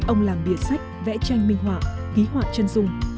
ông làm địa sách vẽ tranh minh họa ký họa chân dung